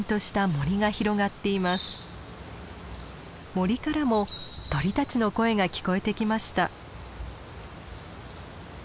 森からも鳥たちの声が聞こえてきました。